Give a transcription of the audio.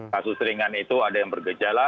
kasus ringan itu ada yang bergejala